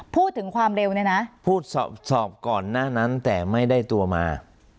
พูดถึงความเร็วเนี่ยนะพูดสอบก่อนหน้านั้นแต่ไม่ได้ตัวมา